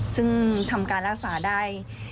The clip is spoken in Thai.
ซึ่งทำการรักษาได้